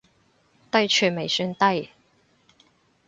低處未算低